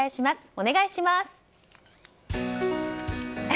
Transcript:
お願いします。